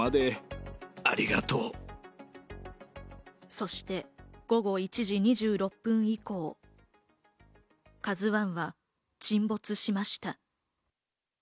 そして午後１時２６分以降、「ＫＡＺＵ１」は沈没しました。